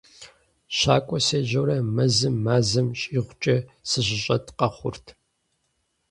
ЩакӀуэ сежьэурэ, мэзым мазэм щӀигъукӀэ сыщыщӀэт къэхъурт.